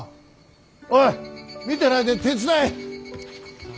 おい見てないで手伝え。